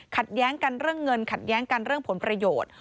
แย้งกันเรื่องเงินขัดแย้งกันเรื่องผลประโยชน์